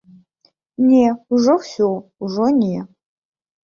Не, ужо ўсё, ужо не.